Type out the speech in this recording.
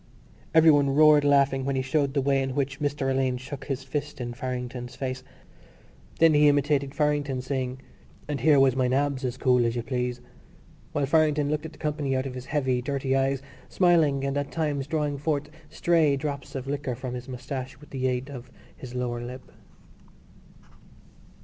Everyone roared laughing when he showed the way in which Mr Alleyne shook his fist in Farrington's face. Then he imitated Farrington, saying, "And here was my nabs, as cool as you please," while Farrington looked at the company out of his heavy dirty eyes, smiling and at times drawing forth stray drops of liquor from his moustache with the aid of his lower lip.